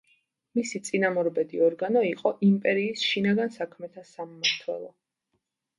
მისი წინამორბედი ორგანო იყო იმპერიის შინაგან საქმეთა სამმართველო.